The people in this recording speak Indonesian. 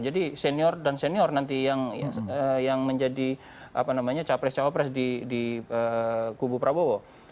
jadi senior dan senior nanti yang menjadi capres capres di kubu prabowo